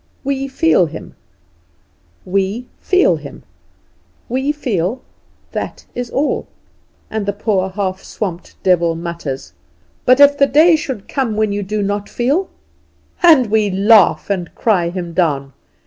We feel Him, we feel Him, we feel that is all! And the poor, half swamped devil mutters: "But if the day should come when you do not feel?" And we laugh and cry him down.